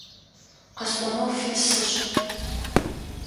Къэсӏонэу фит сышӏ.